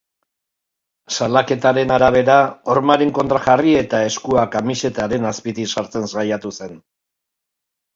Salaketaren arabera, hormaren kontra jarri eta eskua kamisetaren azpitik sartzen saiatu zen.